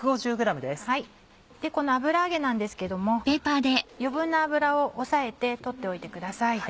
この油揚げなんですけども余分な油を押さえて取っておいてください。